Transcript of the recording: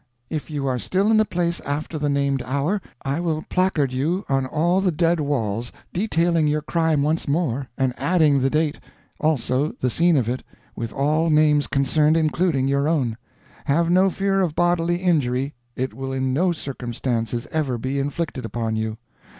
If you are still in the place after the named hour, I will placard you on all the dead walls, detailing your crime once more, and adding the date, also the scene of it, with all names concerned, including your own. Have no fear of bodily injury it will in no circumstances ever be inflicted upon you.